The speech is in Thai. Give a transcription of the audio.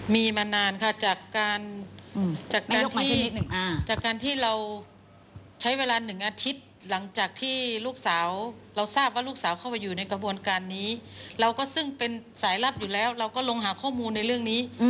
มีมานานค่ะจากการที่เราใช้เวลา๑อาทิตย์หลังจากที่ลูกสาวเราทราบว่าลูกสาวเข้าไปอยู่ในกระบวนการนี้เราก็ซึ่งเป็นสายลับอยู่แล้วเราก็ลงหาข้อมูลในเรื่องนี้